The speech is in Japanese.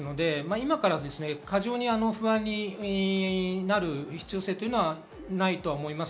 今から過剰に不安になる必要性はないと思います。